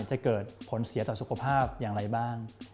จะเกิดผลเสียต่อสุขภาพอย่างไรบ้าง